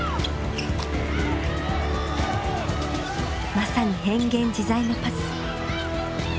まさに変幻自在のパス。